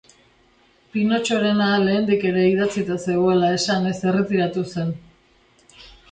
Pinotxorena lehendik ere idatzita zegoela esanez erretiratu zen.